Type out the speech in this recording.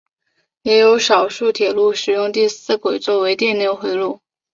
也有少数铁路使用第四轨作为电流回路。